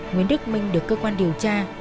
nguyễn đức minh được cơ quan điều tra